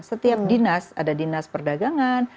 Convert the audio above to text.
jadi ada dinas ada dinas perdagangan